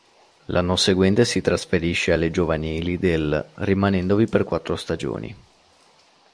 L'anno seguente si trasferisce alle giovanili del rimanendovi per quattro stagioni.